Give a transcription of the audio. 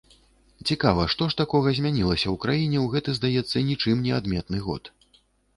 Цікава, што ж такога змянілася ў краіне ў гэты, здаецца, нічым не адметны год?